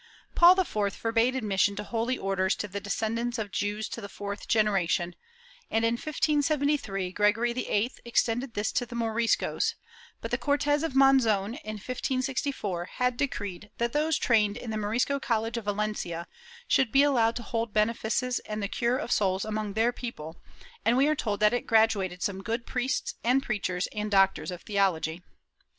Paul IV forbade admission to holy orders to the descendants of Jews to the fourth generation and, in 1573, Gregory XIII extended this to the Moriscos, but the Cortes of Monzon, in 1564, had decreed that those trained in the ^lorisco college of Valencia should be allowed to hold benefices and the cure of souls among their people, and we are told that it graduated some good priests and preachers and doctors of theology.